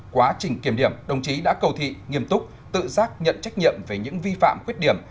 quá trình kiểm điểm đồng chí đã cầu thị nghiêm túc tự giác nhận trách nhiệm về những vi phạm khuyết điểm